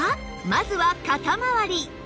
まずは肩まわり